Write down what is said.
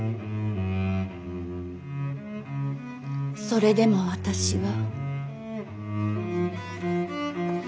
それでも私は。